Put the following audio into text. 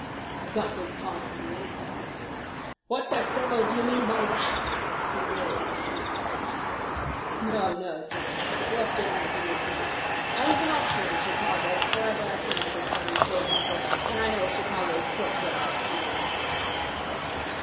"You've got good cause to be, anyhow." "What the devil d'you mean by that?" he roared with his fists clenched. "No, no, Jack, bluster won't do with me. I was an officer in Chicago before ever I came to this darned coal bunker, and I know a Chicago crook when I see one."